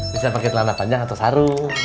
bisa pake telana panjang atau sarung